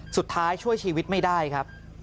สุดท้ายช่วยชีวิตไม่ได้ครับ